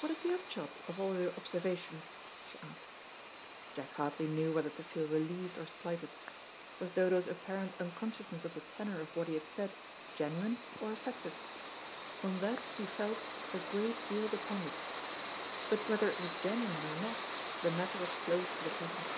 "What is the upshot of all your observations?" she asked. Jack hardly knew whether to feel relieved or slighted. Was Dodo's apparent unconsciousness of the tenor of what he had said genuine or affected? On that he felt a great deal depended. But whether it was genuine or not, the matter was closed for the present.